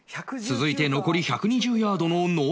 続いて残り１２０ヤードのノブ